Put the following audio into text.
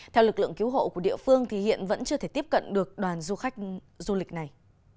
theo lực lượng cứu hộ của địa phương thì hiện vẫn chưa thể tiếp cận được đoàn du khách du lịch này